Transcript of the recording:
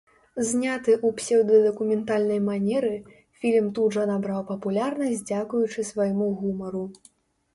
Зняты ў псеўдадакументальнай манеры, фільм тут жа набраў папулярнасць дзякуючы свайму гумару.